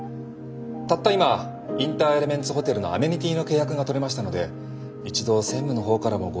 たった今インターエレメンツホテルのアメニティの契約が取れましたので一度専務の方からもご一報頂ければ。